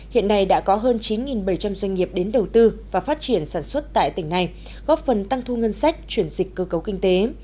hiện nay đã có hơn chín bảy trăm linh doanh nghiệp đến đầu tư và phát triển sản xuất tại tỉnh này góp phần tăng thu ngân sách chuyển dịch cơ cấu kinh tế